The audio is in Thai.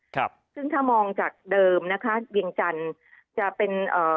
ครับซึ่งถ้ามองจากเดิมนะคะเวียงจันทร์จะเป็นเอ่อ